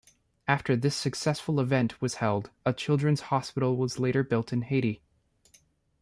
After this successful event was held, a children's hospital was later built in Haiti.